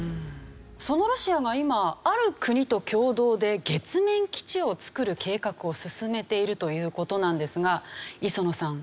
そのロシアが今ある国と共同で月面基地を作る計画を進めているという事なんですが磯野さん